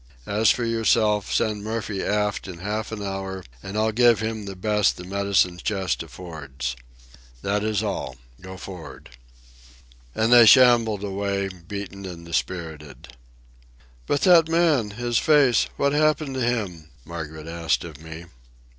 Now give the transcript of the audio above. As for yourself, send Murphy aft in half an hour and I'll give him the best the medicine chest affords. That is all. Go for'ard." And they shambled away, beaten and dispirited. "But that man—his face—what happened to him?" Margaret asked of me.